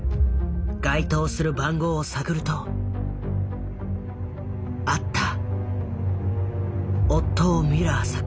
該当する番号を探るとあった！